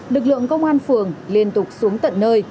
lực lượng công an phường liên tục xuống tận nơi